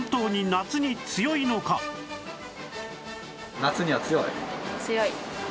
夏には強い？